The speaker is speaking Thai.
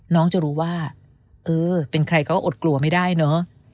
น้องจะรู้ว่าเออเป็นใครก็อดกลัวไม่ได้เนอะ